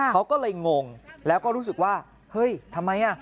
เขาก็เลยงงแล้วก็รู้สึกว่าเฮ้ยทำไมอ่ะ